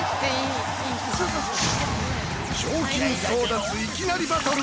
賞金争奪いきなりバトル！